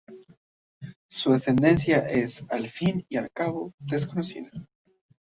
Su ascendencia es, al fin y al cabo, desconocida.